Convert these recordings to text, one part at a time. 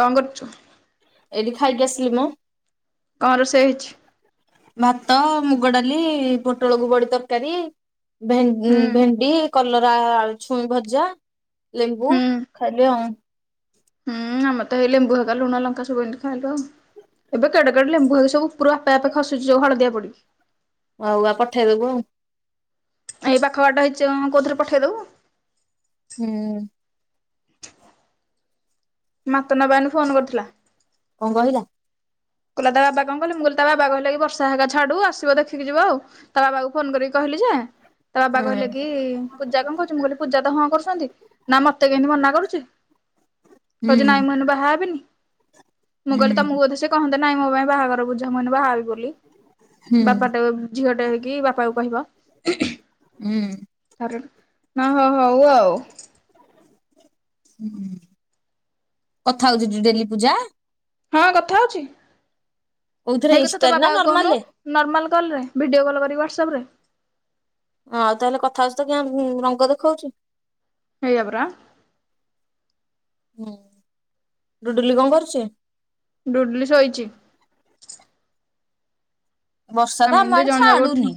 କଣ କରୁଚୁ? ଏଇଠି ଖାଇକି ଆସିିଲି ମ। କଣ ରୋଷେଇ ହେଇଚି? ଭାତ ମୁଗଡାଲି ପୋଟଳକୁ ବଡି ତରକାରୀ। ଭେ ଉଁ ହୁଁ ଭେଣ୍ଡି, କଲରା ଆଳୁ, ଛୁଇଁ ଭଜା। ଲେମ୍ବୁ ହୁଁ ଖାଇଲ ଆଉ। ହୁ ଆମେ ତ ଏଇ ଲେମ୍ବୁ ଲୁଣ ଲଙ୍କା ସବୁ ଏମିତି ଖାଇ ଦଉ। ଏବେ କେଡେ କେଡେ ଲେମ୍ବୁ ହେଇଚି ସବୁ ଉପୁରୁ ଆପେ ଆପେ ଖସୁଚି ଯୋଉ ହଳଦିଆ ପଡିକି ହଉ ଆଉ ପଠେଇଦବୁ। ଏଇ ପାଖ ବାଟ ହେଇଚି ଅ କୋଉଥିରେ ପଠେଇ ଦବୁ। ହୁଁ। ମାତାନପା ଏଇନୁ ଫୋନ କରିଥିଲା। କଣ କହିଲା? କହିଲା ତା ବାବା କଣ କହିଲେ ମୁଁ କହିଲି ତା ବାବା କହିଲା କି ବର୍ଷା ହେରିକା ଛାଡୁ ଆସିବ ଦେଖିକି ଯିବ ଆଉ। ତା ବାବାକୁ ଫୋନ କରିକି କହିଲି ଯେ ତା ବାବା ହୁଁ କହିଲେ କି ପୂଜା କଣ କହୁଚି ମୁଁ କହିଲି ପୂଜା ତ ହଁ କରୁଚନ୍ତି। ନା ମତେ କେମତି ମନା କରୁଚି? ହୁଁ କହୁଚି ନାଇଁ ମୁଁ ଏଇନୁ ବାହା ହେବିନି। ମୁଁ ହୁଁ କହିଲି ତମକୁ ବୋଧେ ସେ କହନ୍ତେ ନାଇ ମୋ ପାଇଁ ବାହାଘର ବୁଝ। ଝିଅ ମାନେ ବାହାହେବି ବୋଲି। ହୁଁ ବାପାଟା ଝିଅ ଟେ ହେଇକି ବାପା କୁ କହିବ। ହୁଁ। [unintelligible] ନା ହଁ ହଉ ଆଉ। ହୁଁ। କଥା ହଉଚି ଡେଲି ପୂଜା। ହଁ କଥା ହଉଚି। କୋଉଥିରେ ହେଇ କଥା ତା ଇନଷ୍ଟାରେ ନା ବାବାକୁ କହୁନୁ। ନର୍ମାଲରେ ନର୍ମାଲ୍ କଲ୍ ରେ ଭିଡ଼ିଓକଲ୍ କରିକି ହ୍ୱାଟସଆପ୍ ରେ। ଆଉ ତାହେଲେ କଥାହୋଇଚୁ ତ କାଇଁ ରଙ୍ଗ ଦେଖଉଚି। ସେଇଆପରା। ହୁଁ ଡୁଡୁଲି କଣ କରୁଚି? ଡୁଡଲି ଶୋଇଚି। ବର୍ଷା ତ ଆମେ ଆମ ଏମିତି ଆଡେ ଜଣେ ଜାକ ଉଠୁ ଛାଡୁନି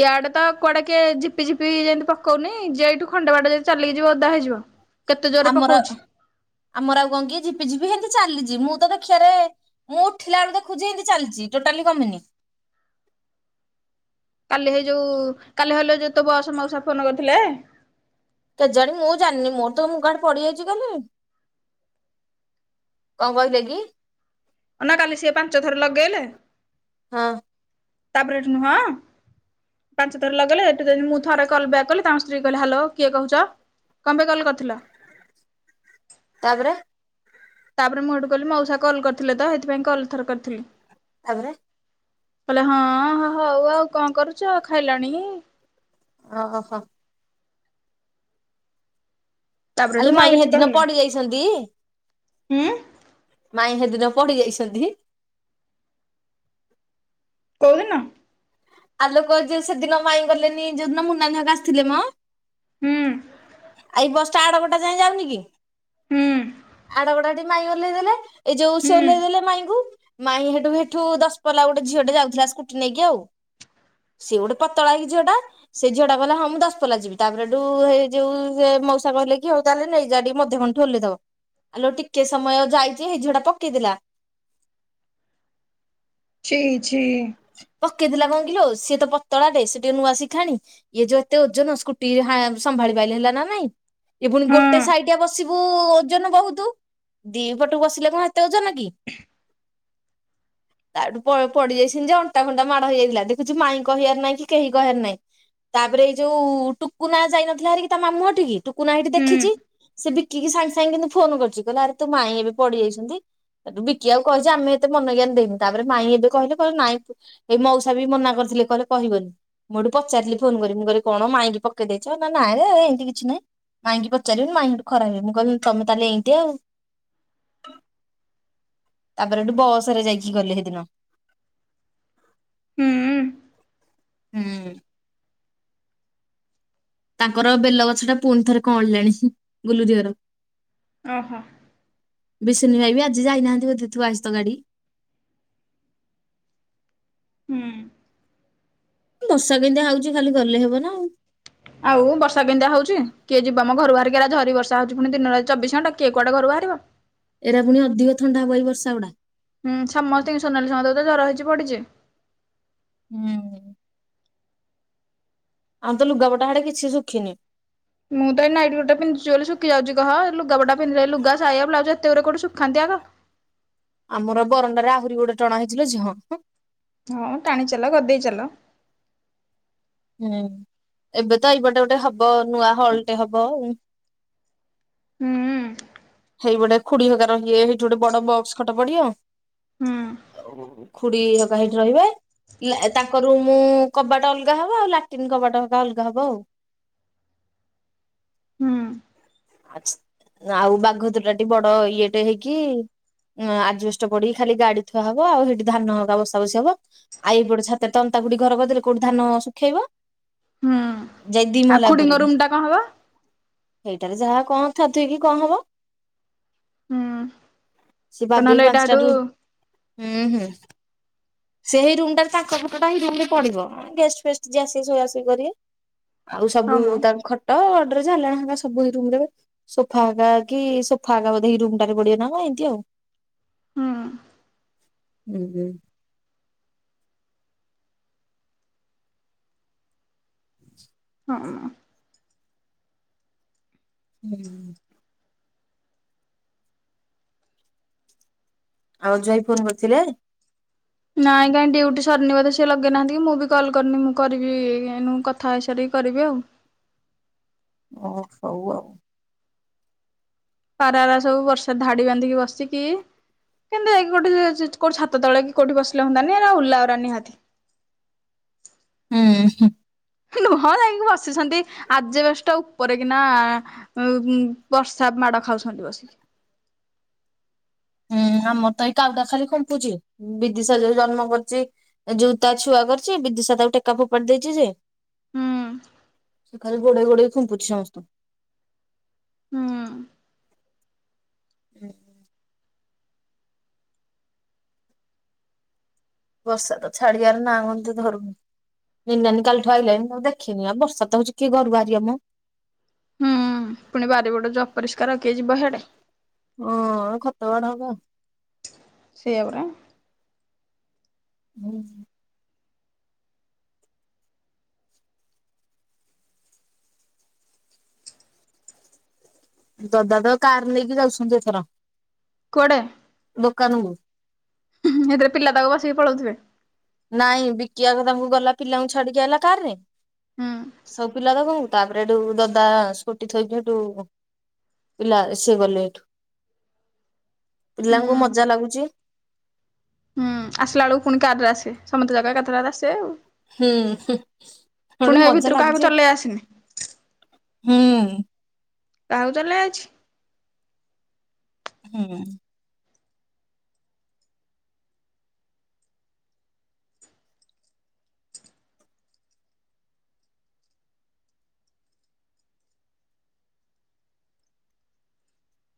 ୟଆଡେ ତ କୁଆଡେ କିଏ ଝିପି ଝିପି ଯେମିତି ପକଉନି, ଯେଇଠୁ ଖଣ୍ଡେ ବାଟ ଯଦି ଚାଲିକି ଯିବ ଓଦା ହେଇଯିବ। କେତେ ଜୋରରେ ଆମର ପକଉଛି ଆମର ଆଉ କଣ କି ଝିପିଝିପି ହେମତି ଚାଲିଚି ମୁଁ ତ ଦେଖିବାରେ ମୁଁ ଉଠିଲା ବେଳକୁ ଦେଖୁଚି ଏମିତି ଚାଲିଚି ଟୋଟାଲି କମିନି। କାଲି ହେଇ ଯୋଉ କାଲି ହେଲେ ଯେ ତୋ ବସ ମଉସା ଫୋନ୍ କରିଥିଲେ। କେଜାଣି ମୁଁ ଜାଣିନି ମୋର ତ ମୁଁ କୁଆଡେ ପଡିଯାଇଚି କାଲି। କଣ କହିଲେ କି? ନା କାଲି ସିଏ ପାଞ୍ଚ ଥର ଲଗେଇଲେ। ହଁ। ତାପରେ ଏଠୁ ନୁହଁ। ପାଞ୍ଚ ଥର ଲଗେଇଲେ। ସେଠୁ ମୁଁ ଥରେ କଲ୍ ବ୍ୟାକ୍ କଲି ତାଙ୍କ ସ୍ତ୍ରୀ କହିଲେ ହାଲୋ କିଏ କହୁଚ? କଣ ପାଇଁ କଲ୍ କରିଥିଲ? ତାପରେ? ତାପରେ ମୁଁ ଏଠୁ କହିଲି ମଉସା କଲ୍ କରିଥିଲେ ତ ସେଥିପାଇଁ କଲ ଏଥିରେ କରିଥିଲି। ତାପରେ କହିଲେ ହଁ ହଉ ଆଉ କଣ କରୁଛ ଖାଇଲାଣି। ଓହୋ ଓହୋ। ତାପରେ ଆଲୋ ହେଠୁ ମୁଁ ଆଉ ମାଇଁ କିଛି ହେଦିନ କହିଲିନି ପଡି ଯାଇଛନ୍ତି ହୁଁ। ମାଇଁ ସେଦିନ ପଡିି ଯାଇଛନ୍ତି। କୋଉଦିନ? ଆଉ ଲୋକ ଯିଏ ସେଦିନ ମାଇଁ ଗଲେନି ଯୋଉଦିନ ମୁନୁନାନି ହକା ଆସିଥିଲେ ମ। ହୁଁ। ଆଇ ବସ ଟା ଆଡ ବଟା ଯାଉନି କି ହୁଁ ଆଡବଟା ଟି ମାଇଁ ଓହ୍ଲାଇ ଦେଲେ। ଏଇ ଯୋଉ ସେ ହୁଁ ଓହ୍ଳେଇ ଦେଲେ ମାଇଁଙ୍କୁ ମାଇ ସେଠୁ ସେଠୁ ଦଶପଲା ଗୋଟେ ଝିଅଟେ ଯାଉଥିଲା ସ୍କୁଟି ନେଇକି ଆଉ। ସେ ଗୋଟେ ପତଳା ହେଇକି ଝିଅଟା ସେ ଝିଅ ଟା କହିଲା ହଁ ମୁଁ ଦଶ ପଲା ଯିବି ତାପରେ ହେଟୁହେଇ ଯୋଉ ସେ ମଉସା କହିଲେ କି ହଉ ତାହେଲେ ନେଇଯା ଟିକେ ମଧୁ ବନଠେ ଓହ୍ଲେଇ ଦବ। ଆଲୋ ଟିକେ ସମୟ ଯାଇଛି ହେଝିଅଟା ପକେଇଦେଲା। ଛି ଛି। ପକେଇଥିଲା କଣ କିଲୋ ସିଏ ତ ପତଳାଟେ ସେ ଟିକେ ନୂଆ ଶିଖାଣି ଇଏ ଯୋଉ ଏତେ ଓଜନ ସ୍କୁଟି ହା ସମ୍ଭାଳିି ହେଲା ନା ନାଇଁ ଏ ପୁଣି ହଁ ଗୋଟେ ସାଇଟିଆ ବସିବୁ ଓଜନ ବହୁତ। ଦି ପଟକୁ ବସିଲେ କଣ ଏତେ ଓଜନ କି? ହ ତାଠୁ ପଡିଯାଇସିନ୍ତି ଯେ ଅଣ୍ଟା ଫଣ୍ଟା ମାଡ ହେଇଯାଇଥିଲା ଦେଖୁଚୁ ମାଇଁ କହିବାର ନାହିଁ କି କେହି କହିବାର ନାହିଁ। ତାପରେ ଏଇ ଯୋଉ ଟୁକୁନାଁ ଯାଇନଥିଲା ହାରି ତା ମାମୁଁ ଘଠିକି ଟୁକୁନା ହେଇଠି ହୁଁ ଦେଖିଛି ସେ ବିକିକି ସାଙ୍ଗେ ସାଙ୍ଗେ କିନ୍ତୁ ଫୋନ କରିଛି କହିଲ ଆରେ ତୋ ମାଇଁ ଏବେ ପଡିଯାଇଛନ୍ତି। ବିକି ଆଉ କହିଚି ଆମେ ଏତେ ମନ ଜ୍ଞାନ ଦେଇନୁ ତାପରେ ମାଇଁ ଏବେ କହିଲେ କହିଲେ ନାଇଁ ଏଇ ମଉସା ବି ମନା କରିଥିଲେ କହିଲେ କହିବନି। ମୁଁ ହେଠୁ ପଚାରଥିଲି ଫୋନ କରିକି ମୁଁ କହିଲି କଣ ମାଇଁକି ପକେଇ ଦେଇଛ ନାଁ ନାଏ ଏ ଏମିତି କିଛି ନାଇଁ! ମାଇଙ୍କି ପଚାରିବନି ମାଇଁ ସେଠୁ ଖାରବ ଭାବିବେ ମୁଁ କହିଲି ତମେ ତାହେଲେ ଏମତି ଆଉ! ହଁ! ତାପରେ ହେଠୁ! ବସ୍ ରେ ଯାଇକି ଗଲେ ହେଦିନ! ହୁଁ! ହୁଁ! ତାଙ୍କର ବେଲଗଛ ଟା! ପୁଣି ଥରେ କଅଁଳିଲାଣି ବୁଲୁରିି ଘର! ଓହୋ! ବିଶିନି ଭାଇ ବି ଆଜି ଯାଇନାହାନ୍ତି ବୋଧେ? ଥୁଆ ହେଇଚି ତ ଗାଡି! ହୁଁ! ବର୍ଷା କେମିତିଆ ହଉଛି ଖାଲି ଗଲେ ହବ ନା? ଆଉ ଆଉ ବର୍ଷା କେମିତିଆ ହଉଛି! କିଏ ଯିବ ମ ଘରୁ ବାହାରିକି! ଏଇ ଝରି ବର୍ଷା ହଉଛି! ପୁଣି ଦିନ ରାତି ଚବିଶି ଘଣ୍ଟା କିଏ କୁଆଡେ ଘରୁ ବାହାରିବ! ଏରା ପୁଣି ଅଧିକ ଥଣ୍ଡା ହବ ଏଇ ବର୍ଷା ଗୁଡା! ହୁଁ ସମସ୍ତଙ୍କି ସୋନାଲି ସାମନ୍ତକୁ ତ ଜର ହେଇଛି ପଡିଚି! ହୁଁ! ଆଉ ତ! ଲୁଗାପଟ ହାଡେ କିଛି ଶୁଖିନି! ମୁଁ ତ ଏ ନାଇଟ୍ ଗୋଟେ ପନ୍ଧିଛି ବୋଲି ଶୁଖି ଯାଉଛି କହ ଏ ଲୁଗା ପଟା ପିନ୍ଧିଲେ ଏ ଲୁଗା, ସାୟା, ବ୍ଲାଉଜ ଏତେ ଗୁଡାଏ କୋଉଠି ଶୁଖାନ୍ତି ଆଗ! ଆମର ବରଣ୍ଡାରେ ଆହୁରି ଗୋଟେ ଟଣା ହେଇଚି ଲୋ ଝିଅ ହଁ! ହଁ! ଟାଣି ଚାଲ ଗଦେଇ ଚାଲ! ହୁଁ! ଏବେ ତ ଏଇପଟେ ଗୋଟେ ହବ ନୂଆ ହଲଟେ ହବ ଆଉ! ହୁଁ ହୁଁ ହେଇ ପଟେ ଖୁଡି ହେରିକା ରହିବେ ହେଥି ଗୋଟେ ବଡ଼ ବକ୍ସ ଖଟ ପଡିବ? ହୁଁ। ଖୁଡି ହେରିକା ଅଥି ରହିବେ? ତାଙ୍କ ରୁମ୍ କବାଟ ଅଲଗା ହବ! ଆଉ ଲାଟିନ୍ କବାଟା ଅଲଗା ହବ ଆଉ। ହୁଁ ଆ ଆଉ ବାଘଦୁର ଟା ଟ ବଡ ଇଏ ଟେ ହେଇକି। ଆଜ ବେଷ୍ଟ ପଡିକି ଖାଲି ଗାଡି ଥୁଆ ହବ ଆଉ ସେଇଠି ଧାନ ହେରିକା ବସା ବୁସି ହବ। ଆଇ ଏଇ ପଟେ ଛାତରେ ଏନ୍ତା ଖୁଡି ଘର କରିଦେଲେ କୋଉ ପଟେ ଧାନ ଶୁଖେଇବ? ହୁଁ। ସେ ଦି ଆଉ ମହଲା ଖୁଡିଙ୍କ ଉପରେ। ରୁମ୍ ଟା କଣ ହବ? ସେଟରେ ଯାହା କଣ ଥାଦୁୋଇ କି କଣ ହବ? ହୁଁ ସେ ବାଗେଇି ନହେଲେ ଏଇଟା ହେଠୁ ପାଞ୍ଚଟାରୁ ହୁଁ ହୁଁ। ସେଇ ରୁମ ଟାରେ ତାଙ୍କ ଖଟ ଟା ହିଁ ରୁମ ରେ ପଡିବ ଗେଷ୍ଟ ଫେଷ୍ଟ ଯ ଆସିକି ସଇାସୁଇ କରିବେ। ଆଉ ହଁ ସବୁ ମ ତାଙ୍କ ଖଟ ଗଦେଜ୍, ଏଲେନା ହେରିକା ସବୁ ସବୁ ଏ ରୁମ୍ ରେ ସୋଫା ଆଗା କି ସୋଫା ଆଗା ବଧେ ରୁମ ଟାରେ ପଡିବ ନା କନ ଅମିତି। ହୁଁ। ହୁଁ ହୁଁ। ହଁଁହଁ। ହୁଁ। ଆଉ ଜଇଁ ଫୋନ୍ କରିଥିଲେ। ନାଇଁ କାଇହିଁ ଡ୍ୟୁଟି ସରିନି ବୋଧେ? ସେ ଲଗେଇନାହାନ୍ତି କି ମୁଁ ବି କଲ୍ କରିନି ମୁଁ କରିବି କଥା ହେଇସାରିକି କରିବି ଆଉ। ଓ ହଉ ଆଉ। ପାରାାର ସବୁ ବର୍ଷା ଧାଡି ବାନ୍ଧିକି ବସିଚି କି? କେନ୍ତତାାଇକି ଗୋଟେ କଉଠ ଛ ତଳେ କି କୋଉଠି ବିଲ ହଅନ୍ନ୍ତାନି ନା ଓ ଉଲା ଆଉ ନିହାତି ହୁଁ ହଁ। ନୁହଁ ଯାଇକି ବସିଛନ୍ତି ଆଜ୍ ବେଷ୍ଟ ଉପରେ କିନା? ଉ ବର୍ଷା ମାଡ ଖାଉଛନ୍ତି ବସିକି। ହୁଁ ଆମର ତ ଏଇ କାଉଦା ଖାଲି ଖୁମ୍ଟୁଛି ବିଦିଶ ଯରେ ଜନ୍ମ କରିୁଛି। ଜୋ ତା ଛୁଆ କରିଛି ବିଦିଶା ତାକୁ ଟେକା ଫୋପାଡି ଦେଇଛି ଯେ। ହୁଁ ସେ ଖାଲି ଗୋଡେଇ ଗୋଡେଇ ଖୁମ୍ପୁଛି ସମସ୍ତେଙ୍କୁ। ହୁଁ। ହୁଁ। ବର୍ଷା ତ ଛାଡିଆର ନାଁ ଗନ୍ଧ ଧରୁନି। [unintelligible] ନାନୀ କାଲିଠୁ ଆଇଲାଣିି ଦେଖିନି ଆଉ ବର୍ଷା ତ ହଉଛି କିଏ ଘରୁ ବାହାରିବ ମ। ହୁଁ ପୁଣି ବାରିପଟ ଯୋଉ ଅପରିଷ୍କାର କିଏ ଯିବ ସିଆଡେ। ହଁ ଖତ ବାଡ [unintelligible] ସେଇଆ ପରା। ହୁଁ। ଦଦା ତ କାର୍ ନେଇକି ଯାଉଛନ୍ତି ଏଥର। କୁଆଡେ? ଦୋକାନକୁ। ଏଥିରେ ପିଲା ତାକୁ ବସିକି ପଳଉଥିବେ। ନାଇଁ ବିକି ଆଗ ତାଙ୍କୁ ଗଲା ପିଲାଙ୍କୁ ଛାଡିକି ଆଇଲା କାର୍ ରେ ହୁଁ ସବୁ ପିଲା [unintelligible] ତାପରେ ଏଠୁ ଦଦା ସ୍କୁଟି ଥୋଇକି ହେଇଠୁ ପିଲା ସିଏ ଗଲେ ଏଠୁ, ହୁଁ ପିଲାଙ୍କୁ ମଜା ଲାଗୁଚି। ହୁଁ ଆସିଲା ବେଳକୁ ପୁଣି କାର୍ ରେ ଆସିବେ ସମସ୍ତେ [unintelligible] ଏକାଥରେ ଆସିବେ ଆଉ। ହୁଁ ହୁଁ ଗୋଟେ ପୁଣି ଏ ମଜା ଭିତରୁ କାହାକୁ ଲାଗୁଚି ଆଉ ଚଲେଇ ଆସିନି ହୁଁ। କାହାକୁ ତଲେ ଅଛି। ହୁଁ।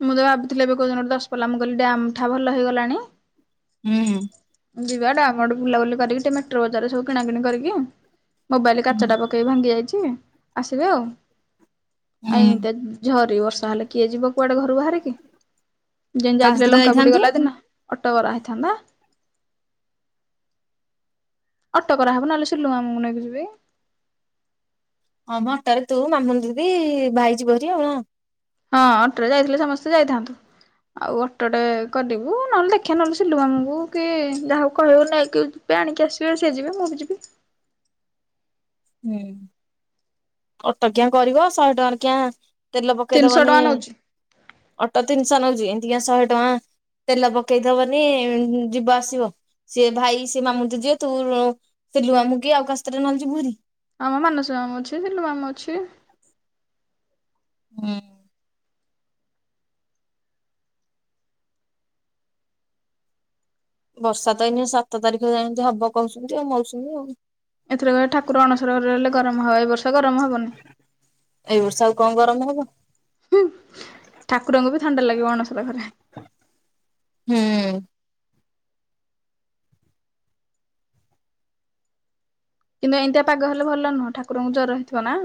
ମୁଁ ତ ଭାବିଥିଲି ଏବେ କୋଉଦିନ ଦସପଲ୍ଲା ମୁଁ କହିଲି ଡ୍ୟାମ ଠା ଭଲ ହେଇଗଲାଣି। ହୁଁ। ଯିବା ଡ୍ୟାମଆଡେ ବୁଲାବୁଲି କରିକି ଟିକେ ମେଟ୍ରୋ ବଜାରରେ ସବୁ କିଣା କିିଣି କରିକି ମୋବାଇଲ ହୁଁ କାଚଟା ପ ପକେଇ ଭାଙ୍ଗି ଯାଇଚି ଆସିବେ ଆଉ। ଆଇ ହୁଁ ଏନ୍ତିଆ ଝରି ବର୍ଷା ହେଲେ କିଏ ଯିବ କୁଆଡେ ଘରୁ ବାହାରିିକି। ଯେନ୍ତିି କାହା ଯାଇଥିଲେ ସାଥିରେ ଲଙ୍କାପୁଡି ଯାଇଥାନ୍ତୁ? ଗଲା ଦିନ ଅଟ କରାହେଇଥାନ୍ତା। ଅଟୋ କରାହବ ନହେଲେ ସିଲୁ ମାମୁଁଙ୍କୁ ନେଇକି ଯିବେ। ହଁ ମ ଅଟରେ ତୁ ମାମୁନ ଦିଦି ଭାଇ ଯିବ ହାରି ଆଉ। ହଁ ଅଟୋରେ ଯାଇଥିଲେ ସମସ୍ତେ ଯାଇଥାନ୍ତୁ। ଆଉ ଅଟୋଟେ କରିବୁ ନହେଲେ ଦେଖିବା ନହେଲେ ସିଲୁ ମାମୁଁଙ୍କୁ କି ଯାହାକୁ କହିବୁ ନେଇକି ଏବେ ଆଣିକି ଆସିବେ ସେ ଯିବେ ମୁଁ ବି ଯିବି। ହୁଁ ଅଟ କିଆଁ କରିବ ଶହେ ଟଙ୍କାରେ କିଆଁ ତେଲ ତିନିଶହ ପକେଇଦବନି ଟଙ୍କା ନଉଛି ଅଟୋ ତିନିଶହ ନଉଚି ଏମତିକା ଶହେ ଟଙ୍କା ତେଲ ପକେଇଦବନି ଯିବ ଆସିବ। ସେଏ ଭାଇ ସିଏ ମାମୁନି ତ ଯିବେ, ତୁ ସିଲୁ ମାମୁଁ କି ଆଉ କାହା ସାଥିରେ ନା ଯିବୁ ହାରି। ଆମ ମାନସ ମାମୁଁ ଅଛି ସିଲୁ ମାମୁଁ ଅଛି।। ହୁଁ। ବର୍ଷା ତ ଏଇନେ ସାତ ତାରିଖ ଯାଏ ହବ କହୁଛନ୍ତି ଆଉ ମୌସୁମୀ ଆଉ। ଏଥିରେ କାଳେ ଠାକୁର ଅଣସର ଘରେ ରହଲେ ଗରମ ହଏ, ଏ ବର୍ଷ ଗରମ ହବନି। ଏଇ ବର୍ଷ ଆଉ କଣ ଗରମ ହବ। ହୁଁ ଠାକୁରଙ୍କୁ ବି ଥଣ୍ଡା ଲାଗିବ ଅଣସର ଘରେ। ହୁଁ। କିନ୍ତୁ ଏମତିଆ ପାଗ ହେଲେ ଭଲ ନୁହଁ ଠାକୁରଙ୍କୁ ଜ୍ୱର ହେଇଥିବ ନା।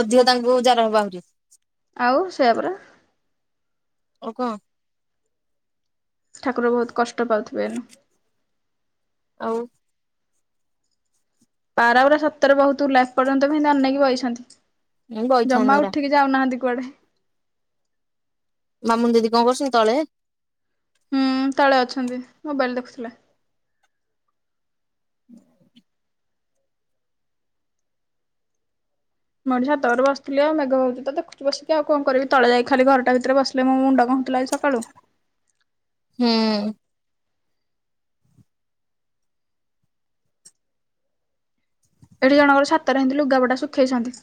ଅଧିକ ତାଙ୍କୁ ଜର ହବ ଆହୁରି। ଆଉ ସେୟା ପରା। ଆଉ କଣ। ଠାକୁର ବହୁତ୍ କଷ୍ଟ ପାଉଥିବେ ଏଇନା। ଆଉ ପରା ପୁରା ସତରେ ବହୁତ୍ ଲାଷ୍ଟ ଏପର୍ଯ୍ୟନ୍ତ ବି ସେମିତି ଅନେଇକି ମୁଁ ବଇଛନ୍ତି ବଇଥାନ୍ତି ଜମା ହେରା ଉଠିକି ଯାଉନାହାନ୍ତି କୁଆଡେ। ମାମୁନି ଦିଦି କଣ କରୁଛନ୍ତି, ତଳେ? ହୁଁ ତଳେ ଅଛନ୍ତି ମୋବାଇଲ୍ ଦେଖୁଥିଲେ। ମୁଁ ତଳେ ବସିଥିଲି ଆଉ ମେଘ ହଉଚି ତ ଦେଖୁଚି ବସିକି ଆଉ କଣ କରିବି ତଳେ ଯାଇକି ଖାଲି ଘରଟା ବିତରେ ବସ ମୋ ମୁଣ୍ଡ କଣ ହେଉଥିଲା ଆଜି ସକାଳୁ। ହୁଁ। ଏଠି ଜଣଙ୍କ ଛାତରେ ସେମିତି ଲୁଗା ପଟା ଶୁଖେଇଛନ୍ତି।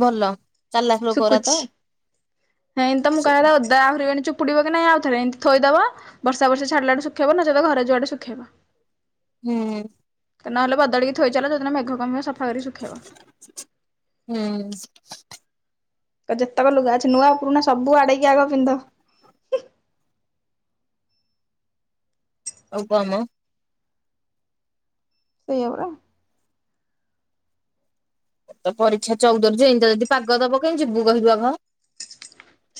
ଭଲ ଚାଲାଖ ଲୋକ ଗୁରା ତ। ହେଁ ଏନ୍ତା ମୁଁ ସେ କାହାର ଅଧ୍ ଆହୁରି ଏଣି ଚୁପୁିଡିବ କି ନାଇଁ ଆଉଥରେ ଏମତି ଥୋଇଦବ ବର୍ଷା ବର୍ଷୀ ଛାଡ଼ିଲା ଠୁ ଶୁଖେଇବ ନଚେତ ଘରେ ଯୁଆଡେ ଶୁଖେଇବ। ହୁଁ। ନହେଲେ ବଦଳିକିଥୋଇଚାଲ ଯୋଉଦିନ ମେଘ କମିବ ସଫା କରି ଶୁଖେଇବ। ହୁଁ। ଯେତେକ ଲୁଗା ଅଛି ନୂଆ ପୁରୁଣା ସବୁ ଆଡେଇକି ଆଗ ପିନ୍ଧ। ଆଉ କମ ସେଇଆପରା। ତ ପରୀକ୍ଷା ଚଉଦରୁ ଯେ ଏମିତିଆ ଯଦି ପାଗ ଦବ କେତି ଯିବୁ କହିଲୁ ଆଗ?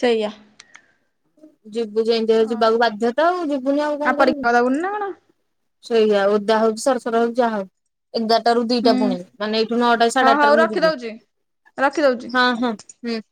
ସେୟା। ଯିବୁ ଯେମିତି ହେଲେ ଯିବାକୁ ଆଉ ବାଧ୍ୟ ତ ଆଉ ଯିବୁନି ଆଉ କଣ ପରୀକ୍ଷା ଦବୁନି ନା କଣ କରିବୁ। ସେୟା ଓଦା ହଉଛି ସରସର ହଉ ଯାହା ହଉ। ଏଗାରଟାରୁ ଦିଟା ହୁଁ ପୁଣି ମାନେ ଏଇଠୁ ନଅଟା ହଁ ସାଢେ ହଉ ଆଠଟାରୁ ମୁ ଯିବି ରଖିଦଉଛି ରଖିଦଉଛି। ହଁ ହଁ। ହୁଁ।